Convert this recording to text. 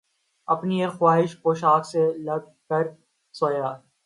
اپنی اِک خواہشِ پوشاک سے لگ کر سویا